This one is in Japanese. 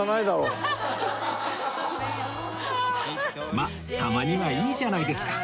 まあたまにはいいじゃないですか